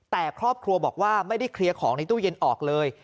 แต่ครอบครัวบอกว่าไม่ได้เคลียร์ของในตู้เย็นออกเลย